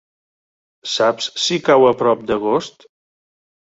Saps si cau a prop d'Agost?